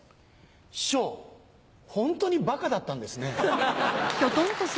師匠ホントにバカだったんですね。